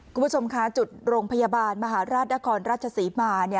คุณผู้ชมคะจุดโรงพยาบาลมหาราชนครราชศรีมา